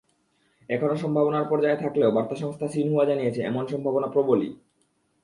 এখনো সম্ভাবনার পর্যায়ে থাকলেও বার্তা সংস্থা সিনহুয়া জানিয়েছে, এমন সম্ভাবনা প্রবলই।